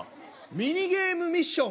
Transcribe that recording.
「ミニゲームミッション！